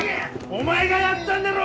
お前がやったんだろ！